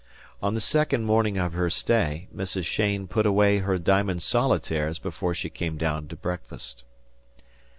On the second morning of her stay Mrs. Cheyne put away her diamond solitaires before she came down to breakfast.